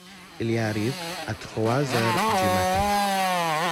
Il y arrive à trois heures du matin.